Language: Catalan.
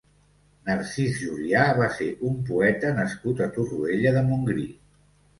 Narcís Julià va ser un poeta nascut a Torroella de Montgrí.